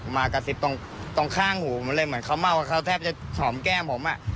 มากระซิบตรงข้างหูมันเลยเหมือนเขาเมาเขาแทบจะหอมแก้มผมอ่ะ